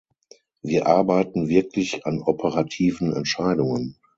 Wir arbeiten wirklich an operativen Entscheidungen.